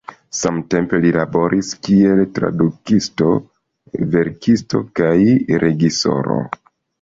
Samtempe li laboris kiel tradukisto, verkisto kaj reĝisoro.